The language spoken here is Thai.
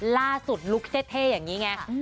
ล่าสุดลุคเท่อย่างนี้ไง